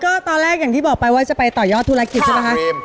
ก็ตอนแรกอย่างที่บอกไปว่าจะไปต่อยอดธุรกิจใช่ไหมคะ